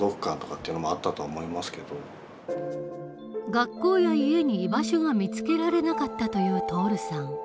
学校や家に居場所が見つけられなかったという徹さん。